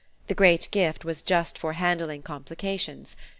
The great gift was just for handling complications.